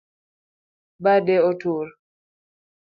Bade otur